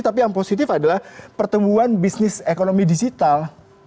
tapi yang positif adalah pertumbuhan bisnis ekonomi digital